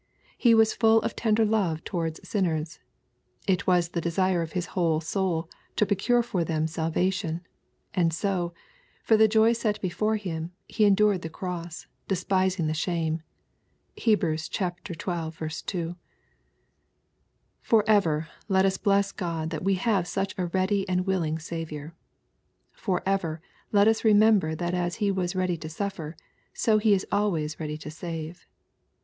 He was full of tender love towards sinners. It was the desire of His whole soul to procure for them salvation. And so, " for the joy set before Him, He endured the cross, despising the shame." (Heb. xii. 2.) Forever let us bless God that we have such a ready and willing Saviour. Forever let us remember that as He was ready to suflfer, so He is always ready to save.